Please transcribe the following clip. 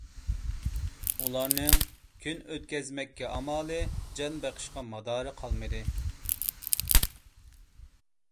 ئۇلارنىڭ كۈن ئۆتكۈزمەككە ئامالى، جان بېقىشقا مادارى قالمىدى.